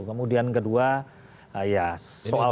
kemudian kedua ya soal